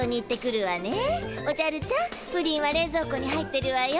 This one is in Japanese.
おじゃるちゃんプリンは冷蔵庫に入ってるわよ。